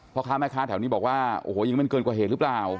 พ่อค้าแม่ค้าแถวนี้บอกว่าโอ้โหยิงมันเกินกว่าเหตุหรือเปล่า